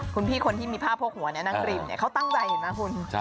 คุณพี่คนที่มีผ้าโพกหัวนั่งริมเขาตั้งใจเห็นไหมคุณ